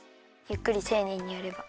ゆっくりていねいにやれば。